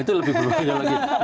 itu lebih berbeda lagi